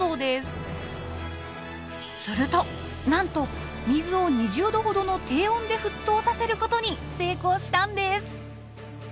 するとなんと水を２０℃ほどの低温で沸騰させることに成功したんです！